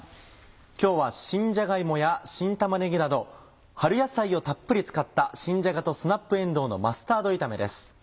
今日は新じゃが芋や新玉ねぎなど春野菜をたっぷり使った「新じゃがとスナップえんどうのマスタード炒め」です。